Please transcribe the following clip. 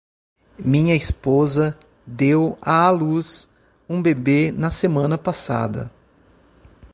Minha esposa deu à luz um bebê na semana passada.